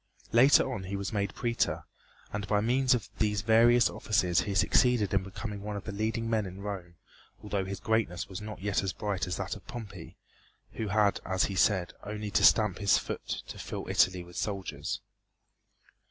Later on he was made Prætor, and by means of these various offices he succeeded in becoming one of the leading men in Rome although his greatness was not yet as bright as that of Pompey, who had, as he said, only to stamp his foot to fill Italy with soldiers.